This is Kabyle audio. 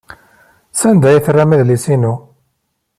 Sanda ay terram adlis-inu?